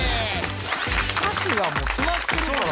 歌詞はもう決まってるから。